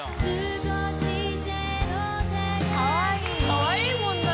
かわいいもんな。